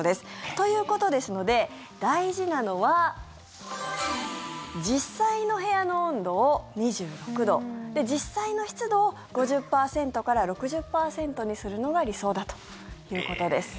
ということですので大事なのは実際の部屋の温度を２６度実際の湿度を５０％から６０％にするのが理想だということです。